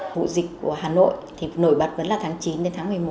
vụ dịch của hà nội thì nổi bật vẫn là tháng chín đến tháng một mươi một